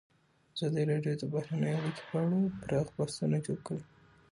ازادي راډیو د بهرنۍ اړیکې په اړه پراخ بحثونه جوړ کړي.